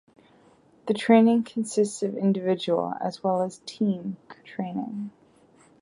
The training consists of individual as well as team training.